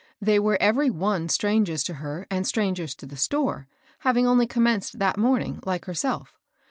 They were every one strangers to her, and strangers to the store, having only commenced that morning, like herself.